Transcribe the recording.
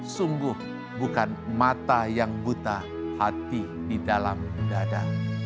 sungguh bukan mata yang buta hati di dalam dada